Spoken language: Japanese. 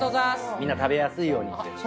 みんな食べやすいようにって。